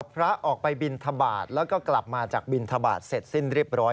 พระออกไปบินทบาทแล้วก็กลับมาจากบินทบาทเสร็จสิ้นเรียบร้อย